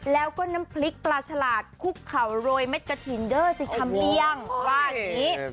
แล้วก็น้ำพริกปลาฉลาดคุกขาวโรยเม็ดกระทินเดอร์จะทำยังว่านี้